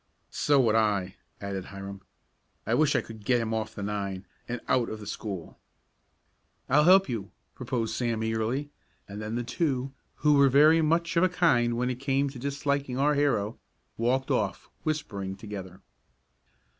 "So would I," added Hiram. "I wish I could get him off the nine, and out of the school." "I'll help you," proposed Sam eagerly; and then the two, who were very much of a kind when it came to disliking our hero, walked off, whispering together.